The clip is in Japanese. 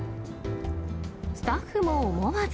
スタッフも思わず。